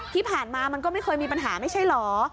ที่ผ่านมามันก็ไม่เคยมีปัญหาไม่ใช่เหรอ